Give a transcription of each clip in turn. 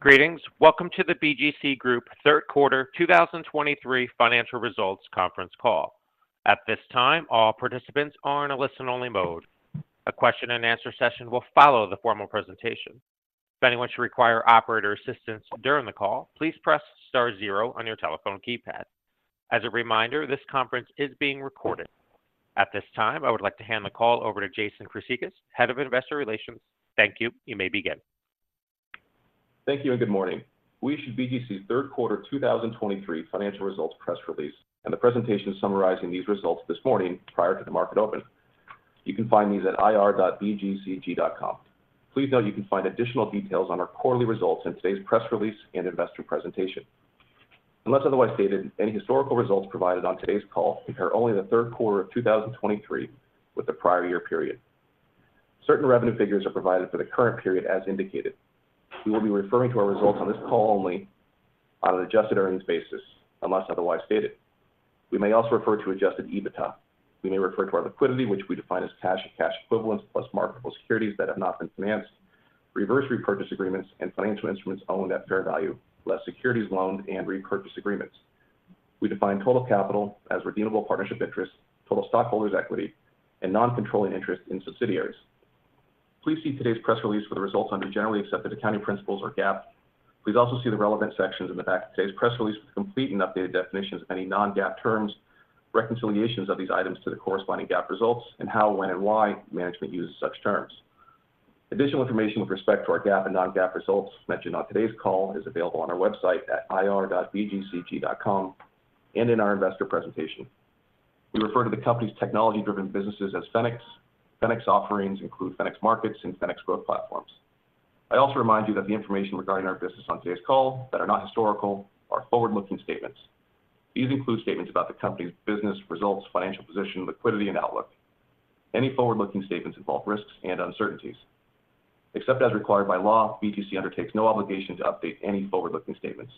Greetings! Welcome to the BGC Group third quarter 2023 financial results conference call. At this time, all participants are in a listen-only mode. A question-and-answer session will follow the formal presentation. If anyone should require operator assistance during the call, please press star zero on your telephone keypad. As a reminder, this conference is being recorded. At this time, I would like to hand the call over to Jason Chryssicas, Head of Investor Relations. Thank you. You may begin. Thank you and good morning. We issued BGC's third quarter 2023 financial results press release, and the presentation summarizing these results this morning prior to the market open. You can find these at ir.bgcg.com. Please note you can find additional details on our quarterly results in today's press release and investor presentation. Unless otherwise stated, any historical results provided on today's call compare only the third quarter of 2023 with the prior year period. Certain revenue figures are provided for the current period as indicated. We will be referring to our results on this call only on an adjusted earnings basis, unless otherwise stated. We may also refer to adjusted EBITDA. We may refer to our liquidity, which we define as cash and cash equivalents, plus marketable securities that have not been financed, reverse repurchase agreements and financial instruments owned at fair value, less securities loaned and repurchase agreements. We define total capital as redeemable partnership interest, total stockholders' equity, and non-controlling interest in subsidiaries. Please see today's press release for the results under generally accepted accounting principles or GAAP. Please also see the relevant sections in the back of today's press release for complete and updated definitions of any non-GAAP terms, reconciliations of these items to the corresponding GAAP results, and how, when, and why management uses such terms. Additional information with respect to our GAAP and non-GAAP results mentioned on today's call is available on our website at ir.bgcg.com and in our investor presentation. We refer to the company's technology-driven businesses as Fenics. Fenics offerings include Fenics Markets and Fenics Growth Platforms. I also remind you that the information regarding our business on today's call that are not historical are forward-looking statements. These include statements about the company's business, results, financial position, liquidity, and outlook. Any forward-looking statements involve risks and uncertainties. Except as required by law, BGC undertakes no obligation to update any forward-looking statements.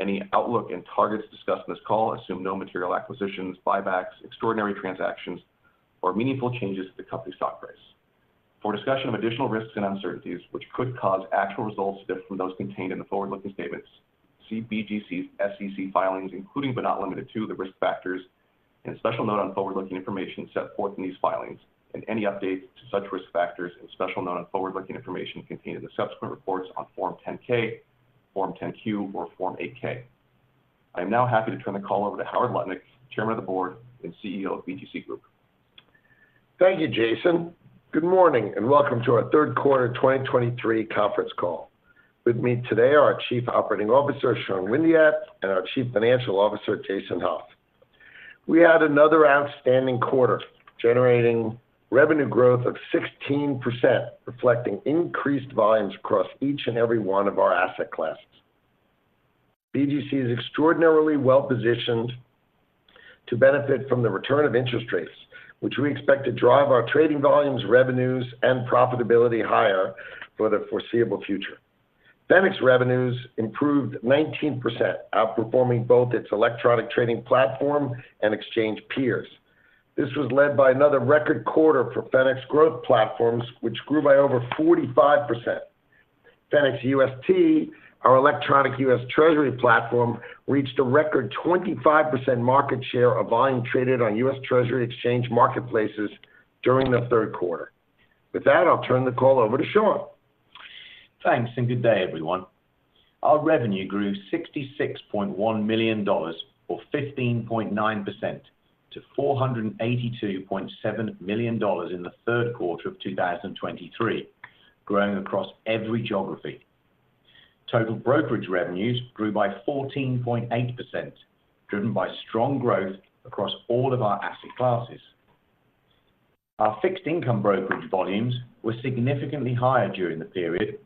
Any outlook and targets discussed in this call assume no material acquisitions, buybacks, extraordinary transactions, or meaningful changes to the company's stock price. For a discussion of additional risks and uncertainties, which could cause actual results to differ from those contained in the forward-looking statements, see BGC's SEC filings, including but not limited to, the risk factors and a special note on forward-looking information set forth in these filings, and any updates to such risk factors and special note on forward-looking information contained in the subsequent reports on Form 10-K, Form 10-Q, or Form 8-K. I am now happy to turn the call over to Howard Lutnick, Chairman of the Board and CEO of BGC Group. Thank you, Jason. Good morning, and welcome to our third quarter 2023 conference call. With me today are our Chief Operating Officer, Sean Windeatt, and our Chief Financial Officer, Jason Hauf. We had another outstanding quarter, generating revenue growth of 16%, reflecting increased volumes across each and every one of our asset classes. BGC is extraordinarily well-positioned to benefit from the return of interest rates, which we expect to drive our trading volumes, revenues, and profitability higher for the foreseeable future. Fenics revenues improved 19%, outperforming both its electronic trading platform and exchange peers. This was led by another record quarter for Fenics Growth Platforms, which grew by over 45%. Fenics UST, our electronic U.S. Treasury platform, reached a record 25% market share of volume traded on U.S. Treasury exchange marketplaces during the third quarter. With that, I'll turn the call over to Sean. Thanks, and good day, everyone. Our revenue grew $66.1 million, or 15.9%, to $482.7 million in the third quarter of 2023, growing across every geography. Total brokerage revenues grew by 14.8%, driven by strong growth across all of our asset classes. Our fixed income brokerage volumes were significantly higher during the period,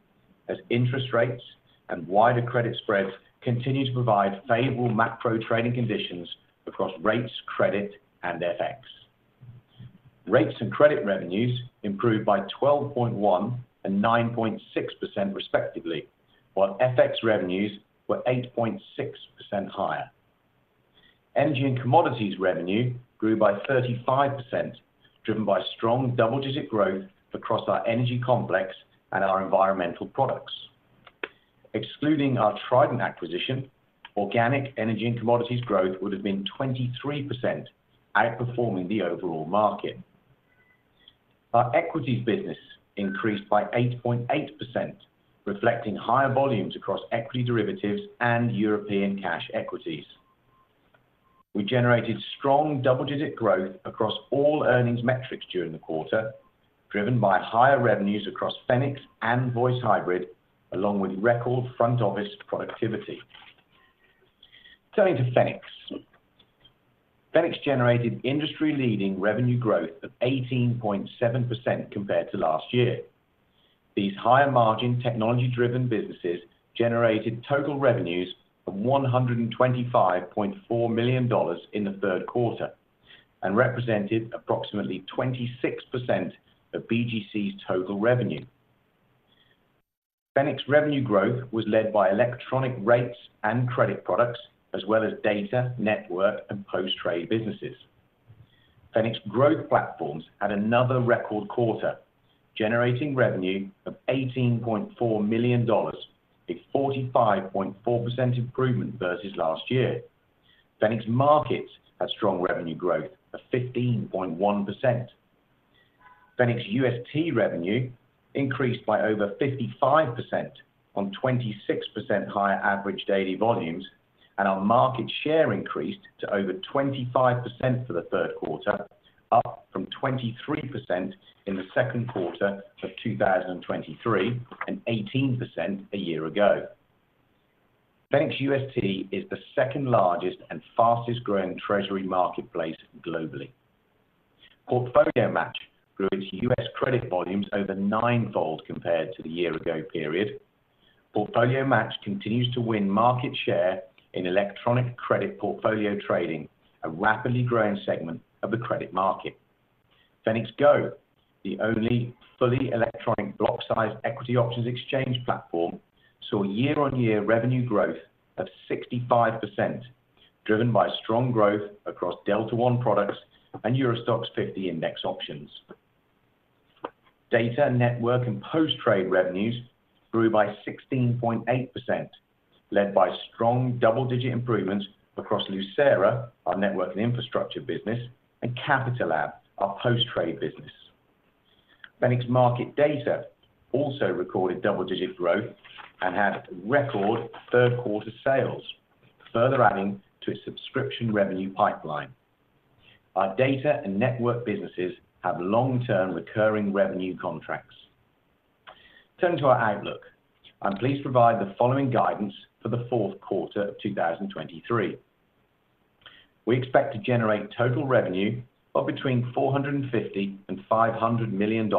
as interest rates and wider credit spreads continue to provide favorable macro trading conditions across rates, credit, and FX. Rates and credit revenues improved by 12.1% and 9.6%, respectively, while FX revenues were 8.6% higher. Energy and commodities revenue grew by 35%, driven by strong double-digit growth across our energy complex and our environmental products. Excluding our Trident acquisition, organic energy and commodities growth would have been 23%, outperforming the overall market. Our equities business increased by 8.8%, reflecting higher volumes across equity derivatives and European cash equities. We generated strong double-digit growth across all earnings metrics during the quarter, driven by higher revenues across Fenics and Voice Hybrid, along with record front-office productivity. Turning to Fenics. Fenics generated industry-leading revenue growth of 18.7% compared to last year. These higher-margin, technology-driven businesses generated total revenues of $125.4 million in the third quarter and represented approximately 26% of BGC's total revenue. Fenics revenue growth was led by electronic rates and credit products, as well as data, network, and post-trade businesses.... Fenics Growth Platforms had another record quarter, generating revenue of $18.4 million, a 45.4% improvement versus last year. Fenics Markets had strong revenue growth of 15.1%. Fenics UST revenue increased by over 55% on 26% higher average daily volumes, and our market share increased to over 25% for the third quarter, up from 23% in the second quarter of 2023, and 18% a year ago. Fenics UST is the second-largest and fastest-growing treasury marketplace globally. Portfolio Match grew its U.S. credit volumes over ninefold compared to the year-ago period. Portfolio Match continues to win market share in electronic credit portfolio trading, a rapidly growing segment of the credit market. Fenics GO, the only fully electronic block-sized equity options exchange platform, saw year-on-year revenue growth of 65%, driven by strong growth across Delta One products and EURO STOXX 50 index options. Data, network, and post-trade revenues grew by 16.8%, led by strong double-digit improvements across Lucera, our network and infrastructure business, and Capitalab, our post-trade business. Fenics Market Data also recorded double-digit growth and had record third-quarter sales, further adding to its subscription revenue pipeline. Our data and network businesses have long-term recurring revenue contracts. Turning to our outlook, I'm pleased to provide the following guidance for the fourth quarter of 2023. We expect to generate total revenue of between $450 million and $500 million,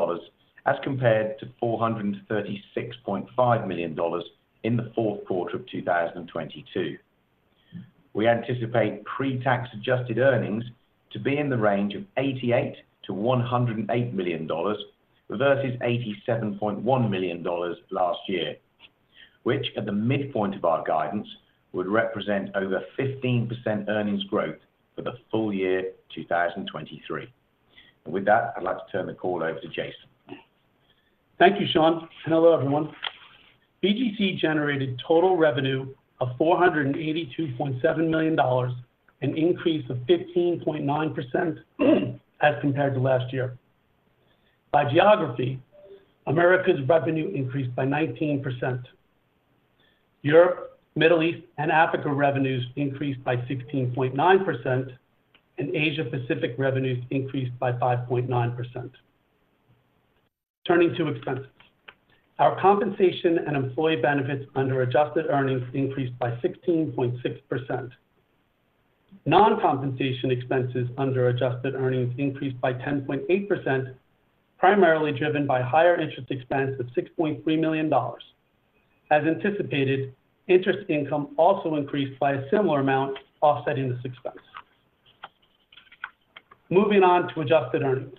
as compared to $436.5 million in the fourth quarter of 2022. We anticipate pre-tax Adjusted Earnings to be in the range of $88 million-$108 million versus $87.1 million last year, which, at the midpoint of our guidance, would represent over 15% earnings growth for the full year 2023. With that, I'd like to turn the call over to Jason. Thank you, Sean, and hello, everyone. BGC generated total revenue of $482.7 million, an increase of 15.9%, as compared to last year. By geography, Americas revenue increased by 19%. Europe, Middle East, and Africa revenues increased by 16.9%, and Asia Pacific revenues increased by 5.9%. Turning to expenses. Our compensation and employee benefits under adjusted earnings increased by 16.6%. Non-compensation expenses under adjusted earnings increased by 10.8%, primarily driven by higher interest expense of $6.3 million. As anticipated, interest income also increased by a similar amount, offsetting this expense. Moving on to adjusted earnings.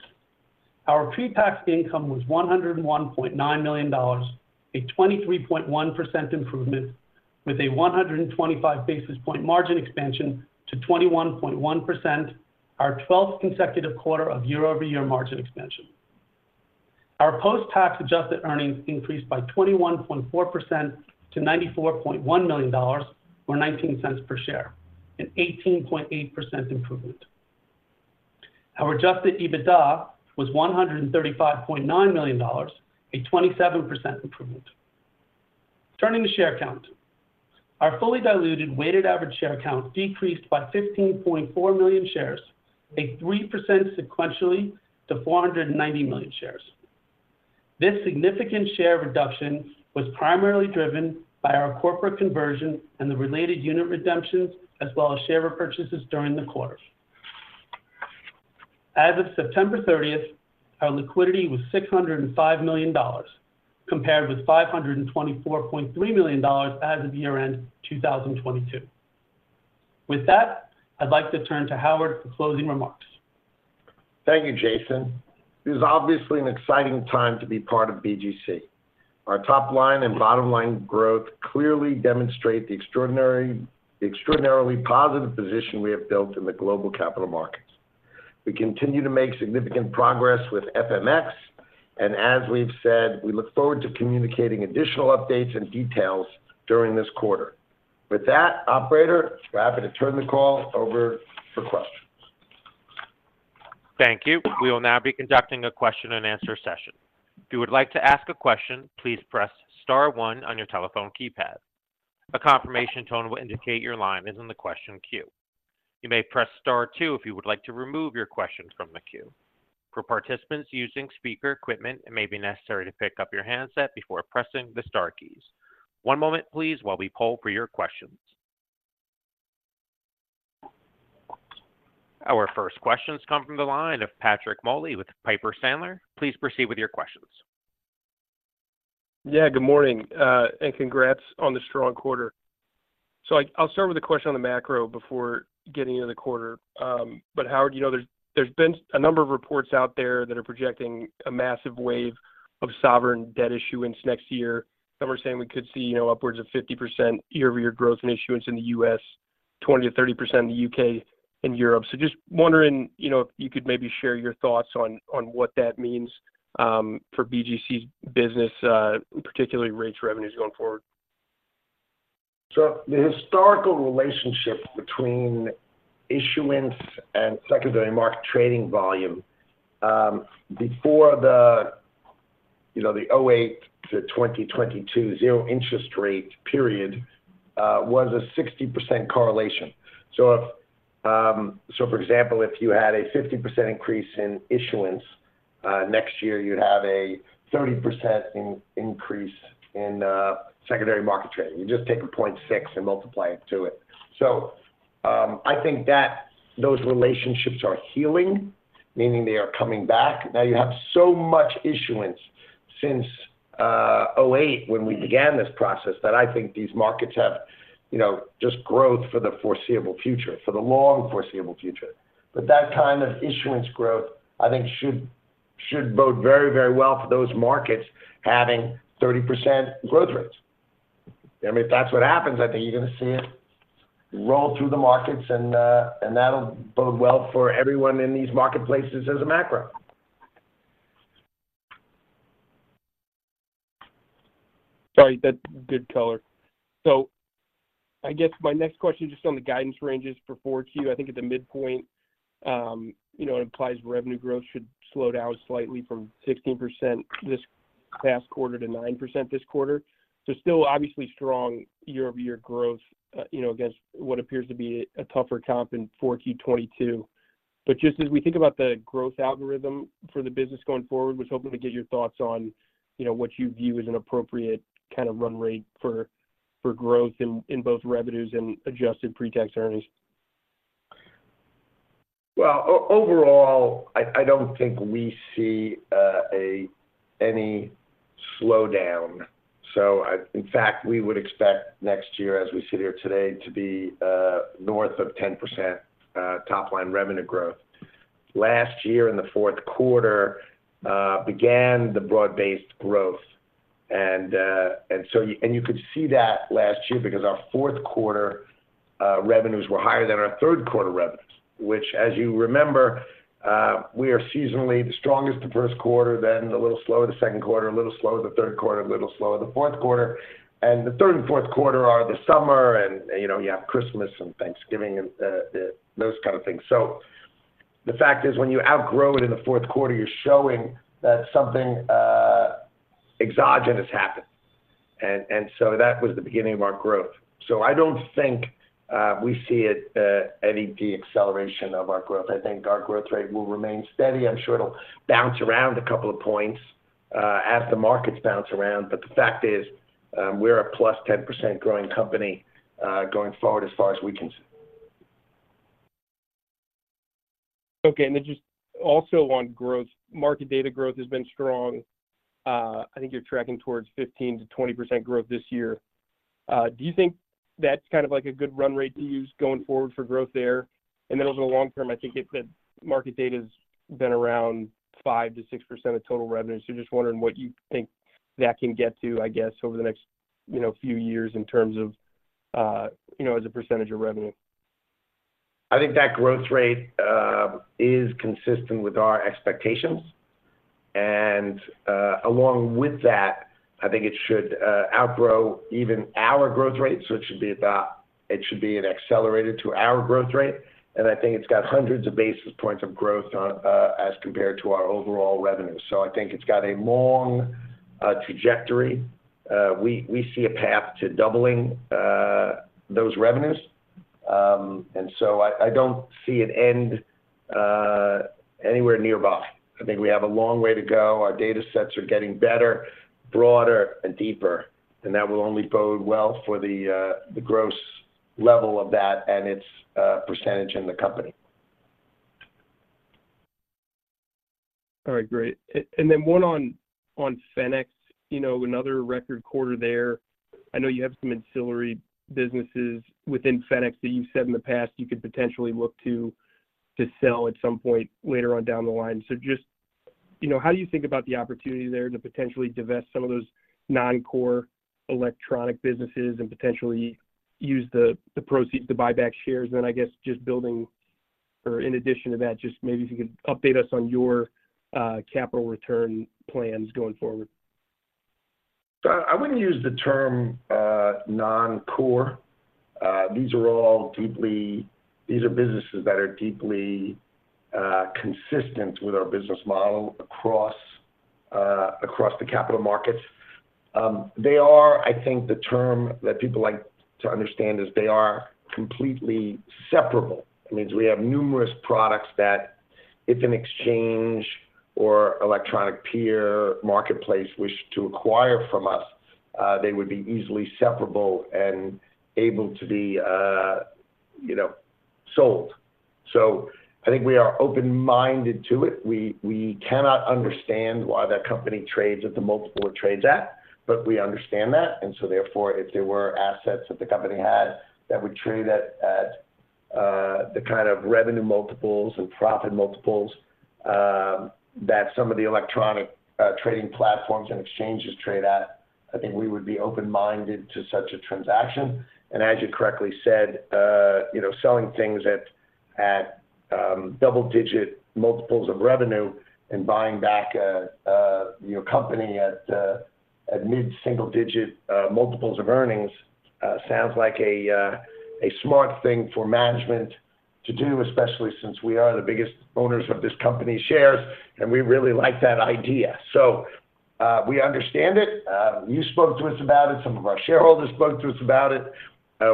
Our pre-tax income was $101.9 million, a 23.1% improvement, with a 125 basis point margin expansion to 21.1%, our twelfth consecutive quarter of year-over-year margin expansion. Our post-tax adjusted earnings increased by 21.4% to $94.1 million, or $0.19 per share, an 18.8% improvement. Our Adjusted EBITDA was $135.9 million, a 27% improvement. Turning to share count. Our fully diluted weighted average share count decreased by 15.4 million shares, a 3% sequentially to 490 million shares. This significant share reduction was primarily driven by our corporate conversion and the related unit redemptions, as well as share repurchases during the quarter. As of September 30th, our liquidity was $605 million, compared with $524.3 million as of year-end 2022. With that, I'd like to turn to Howard for closing remarks. Thank you, Jason. This is obviously an exciting time to be part of BGC. Our top line and bottom-line growth clearly demonstrate the extraordinarily positive position we have built in the global capital markets. We continue to make significant progress with FMX, and as we've said, we look forward to communicating additional updates and details during this quarter. With that, operator, we're happy to turn the call over for questions. Thank you. We will now be conducting a question-and-answer session. If you would like to ask a question, please press star one on your telephone keypad. A confirmation tone will indicate your line is in the question queue. You may press star two if you would like to remove your question from the queue. For participants using speaker equipment, it may be necessary to pick up your handset before pressing the star keys. One moment, please, while we poll for your questions. Our first questions come from the line of Patrick Moley with Piper Sandler. Please proceed with your questions. Yeah, good morning, and congrats on the strong quarter. So I, I'll start with a question on the macro before getting into the quarter. But Howard, you know, there's, there's been a number of reports out there that are projecting a massive wave of sovereign debt issuance next year. Some are saying we could see upwards of 50% year-over-year growth in issuance in the U.S. 20%-30% in the U.K. and Europe. So just wondering, you know, if you could maybe share your thoughts on, on what that means, for BGC's business, particularly rates revenues going forward? So the historical relationship between issuance and secondary market trading volume, before the, you know, the 2008 to 2022 zero interest rate period, was a 60% correlation. So, so for example, if you had a 50% increase in issuance, next year, you'd have a 30% increase in, secondary market trading. You just take a 0.6 and multiply it to it. So, I think that those relationships are healing, meaning they are coming back. Now, you have so much issuance since, '08 when we began this process, that I think these markets have, you know, just growth for the foreseeable future, for the long foreseeable future. But that kind of issuance growth, I think, should bode very, very well for those markets having 30% growth rates. I mean, if that's what happens, I think you're going to see it roll through the markets, and that'll bode well for everyone in these marketplaces as a macro. Sorry, that's good color. So I guess my next question, just on the guidance ranges for Q4, I think at the midpoint, you know, it implies revenue growth should slow down slightly from 16% this past quarter to 9% this quarter. So still obviously strong year-over-year growth, you know, against what appears to be a tougher comp in Q4 2022. But just as we think about the growth algorithm for the business going forward, was hoping to get your thoughts on, you know, what you view as an appropriate kind of run rate for growth in both revenues and adjusted pre-tax earnings. Well, overall, I don't think we see any slowdown. So, in fact, we would expect next year, as we sit here today, to be north of 10% top-line revenue growth. Last year, in the fourth quarter, began the broad-based growth and, and so you could see that last year because our fourth quarter revenues were higher than our third quarter revenues, which, as you remember, we are seasonally the strongest the first quarter, then a little slower the second quarter, a little slower the third quarter, a little slower the fourth quarter. And the third and fourth quarter are the summer and, you know, you have Christmas and Thanksgiving and those kind of things. So the fact is, when you outgrow it in the fourth quarter, you're showing that something exogenous happened. And so that was the beginning of our growth. I don't think we see any deceleration of our growth. I think our growth rate will remain steady. I'm sure it'll bounce around a couple of points, as the markets bounce around, but the fact is, we're a +10% growing company, going forward, as far as we can see. Okay, and then just also on growth. Market data growth has been strong. I think you're tracking towards 15%-20% growth this year. Do you think that's kind of like a good run rate to use going forward for growth there? And then also long-term, I think you've said market data's been around 5%-6% of total revenue. So just wondering what you think that can get to, I guess, over the next, you know, few years in terms of, you know, as a percentage of revenue. I think that growth rate is consistent with our expectations, and along with that, I think it should outgrow even our growth rates. So it should be about... It should be an accelerator to our growth rate, and I think it's got hundreds of basis points of growth on as compared to our overall revenues. So I think it's got a long trajectory. We see a path to doubling those revenues. And so I don't see it end anywhere nearby. I think we have a long way to go. Our data sets are getting better, broader, and deeper, and that will only bode well for the gross level of that and its percentage in the company. All right, great. And then one on, on FMX, you know, another record quarter there. I know you have some ancillary businesses within FMX that you've said in the past you could potentially look to, to sell at some point later on down the line. So just, you know, how do you think about the opportunity there to potentially divest some of those non-core electronic businesses and potentially use the, the proceeds to buy back shares? Then, I guess, just building or in addition to that, just maybe if you could update us on your capital return plans going forward. So I wouldn't use the term, non-core. These are all businesses that are deeply consistent with our business model across, across the capital markets. They are—I think the term that people like to understand is they are completely separable. It means we have numerous products that, if an exchange or electronic peer marketplace wished to acquire from us, they would be easily separable and able to be, you know, sold. So I think we are open-minded to it. We cannot understand why that company trades at the multiple it trades at, but we understand that, and so therefore, if there were assets that the company had that would trade at, at... The kind of revenue multiples and profit multiples that some of the electronic trading platforms and exchanges trade at, I think we would be open-minded to such a transaction. And as you correctly said, you know, selling things at double-digit multiples of revenue and buying back your company at mid-single-digit multiples of earnings sounds like a smart thing for management to do, especially since we are the biggest owners of this company's shares, and we really like that idea. So, we understand it. You spoke to us about it. Some of our shareholders spoke to us about it.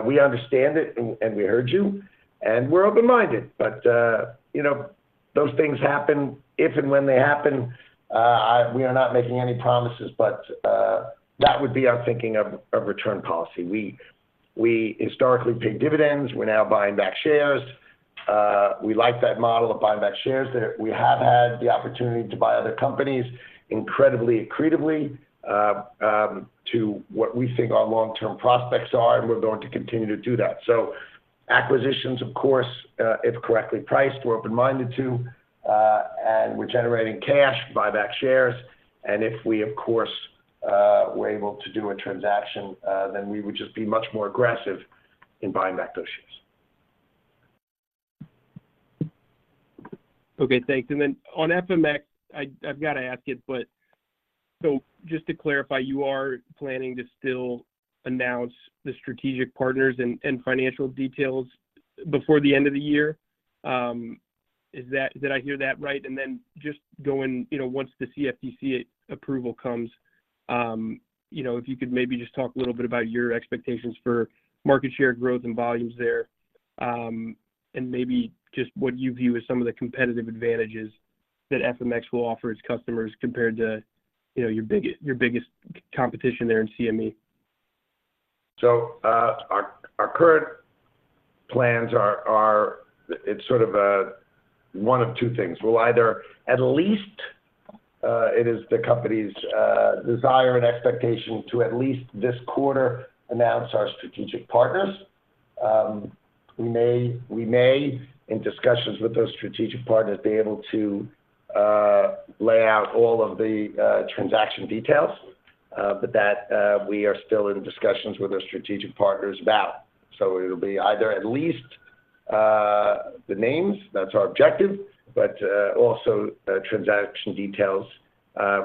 We understand it, and we heard you, and we're open-minded. But, you know, those things happen if and when they happen. We are not making any promises, but that would be our thinking of return policy. We historically paid dividends. We're now buying back shares. We like that model of buying back shares, that we have had the opportunity to buy other companies incredibly accretively to what we think our long-term prospects are, and we're going to continue to do that. So acquisitions, of course, if correctly priced, we're open-minded to, and we're generating cash, buy back shares, and if we, of course, were able to do a transaction, then we would just be much more aggressive in buying back those shares. Okay, thanks. And then on FMX, I've gotta ask it, but... So just to clarify, you are planning to still announce the strategic partners and, and financial details before the end of the year? Is that—did I hear that right? And then just going, you know, once the CFTC approval comes, you know, if you could maybe just talk a little bit about your expectations for market share growth and volumes there, and maybe just what you view as some of the competitive advantages that FMX will offer its customers compared to, you know, your biggest competition there in CME. So, our current plans are, it's sort of one of two things. We'll either at least, it is the company's desire and expectation to at least this quarter announce our strategic partners. We may, in discussions with those strategic partners, be able to lay out all of the transaction details, but that we are still in discussions with our strategic partners about. So it'll be either at least the names, that's our objective, but also transaction details.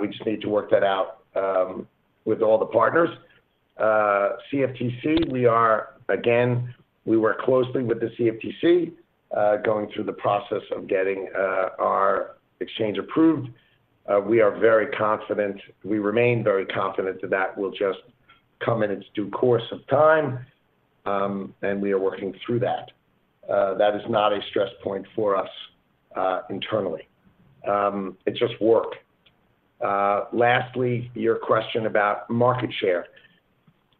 We just need to work that out with all the partners. CFTC, we are... Again, we work closely with the CFTC, going through the process of getting our exchange approved. We are very confident. We remain very confident that that will just come in its due course of time, and we are working through that. That is not a stress point for us, internally. It's just work. Lastly, your question about market share.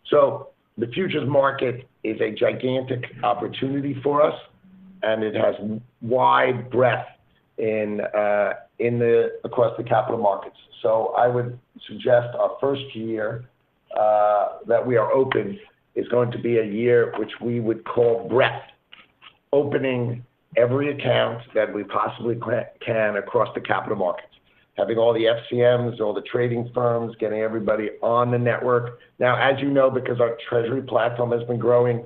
So the futures market is a gigantic opportunity for us, and it has wide breadth in across the capital markets. So I would suggest our first year that we are open is going to be a year which we would call breadth, opening every account that we possibly can across the capital markets, having all the FCMs, all the trading firms, getting everybody on the network. Now, as you know, because our treasury platform has been growing,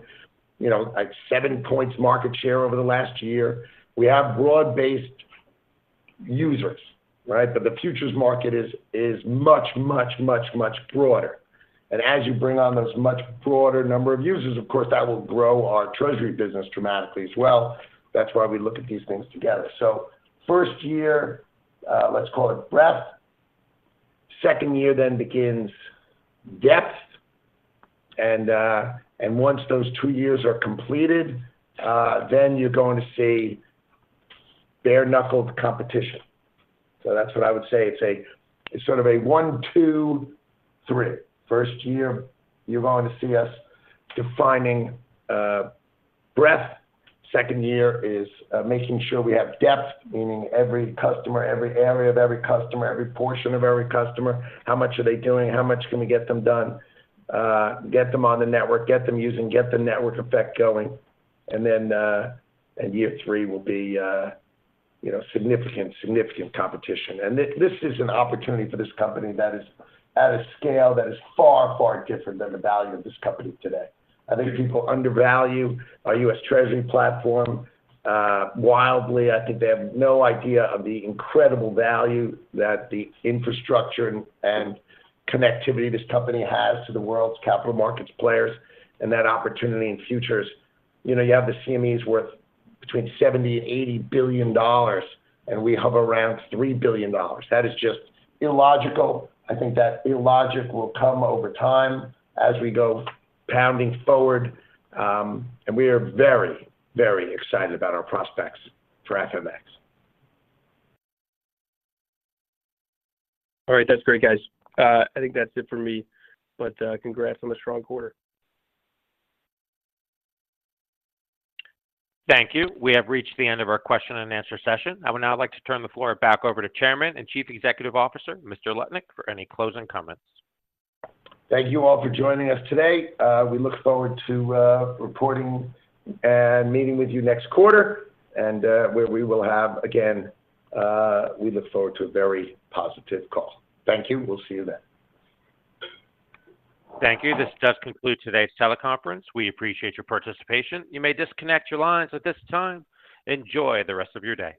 you know, like 7 points market share over the last year, we have broad-based users, right? But the futures market is much, much, much, much broader. And as you bring on those much broader number of users, of course, that will grow our treasury business dramatically as well. That's why we look at these things together. So first year, let's call it breadth. Second year then begins depth, and once those two years are completed, then you're going to see bare-knuckled competition. So that's what I would say. It's sort of a one, two, three. First year, you're going to see us defining breadth. Second year is making sure we have depth, meaning every customer, every area of every customer, every portion of every customer, how much are they doing? How much can we get them done? Get them on the network, get them using, get the network effect going. And then, and year three will be, you know, significant, significant competition. And this, this is an opportunity for this company that is at a scale that is far, far different than the value of this company today. I think people undervalue our U.S. Treasury platform, wildly. I think they have no idea of the incredible value that the infrastructure and, and connectivity this company has to the world's capital markets players and that opportunity in futures. You know, you have the CME's worth between $70 billion and $80 billion, and we have around $3 billion. That is just illogical. I think that illogic will come over time as we go pounding forward, and we are very, very excited about our prospects for FMX. All right. That's great, guys. I think that's it for me, but congrats on the strong quarter. Thank you. We have reached the end of our question and answer session. I would now like to turn the floor back over to Chairman and Chief Executive Officer, Mr. Lutnick, for any closing comments. Thank you all for joining us today. We look forward to reporting and meeting with you next quarter, and where we will have again... we look forward to a very positive call. Thank you. We'll see you then. Thank you. This does conclude today's teleconference. We appreciate your participation. You may disconnect your lines at this time. Enjoy the rest of your day.